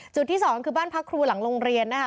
จุดที่สองคือบ้านพักครูหลังโรงเรียนนะคะ